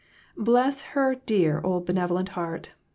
Bless her dear old benevolent heart